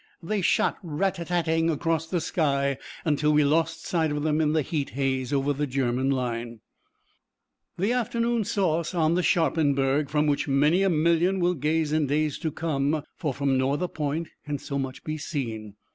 They shot rat tat tatting across the sky until we lost sight of them in the heat haze over the German line. The afternoon saw us on the Sharpenburg, from which many a million will gaze in days to come, for from no other point can so much be seen.